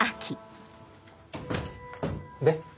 で？